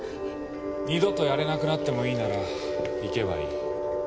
二度とやれなくなってもいいなら行けばいい。